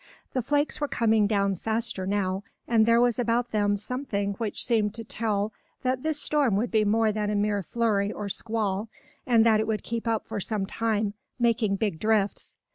The flakes were coming down faster now, and there was about them something which seemed to tell that this storm would be more than a mere flurry or squall, and that it would keep up for some time, making big drifts.